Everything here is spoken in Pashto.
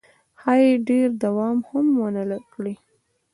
ښایي ډېر دوام هم ونه کړي.